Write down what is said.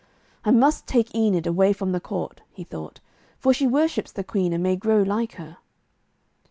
'I must take Enid away from the court,' he thought, 'for she worships the Queen and may grow like her.'